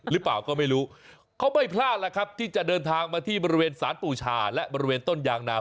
หรือเปล่าก็ไม่รู้เขาไม่พลาดแล้วครับที่จะเดินทางมาที่บริเวณสารปูชาและบริเวณต้นยางนา